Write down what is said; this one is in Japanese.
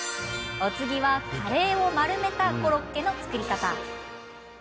お次は、カレーを丸めたコロッケの作り方。